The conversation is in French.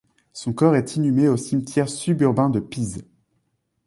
Son corps est inhumé au cimetière suburbain de Pise.